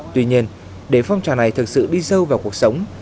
tuy nhiên để phòng trào này thực sự đi sâu vào cuộc sống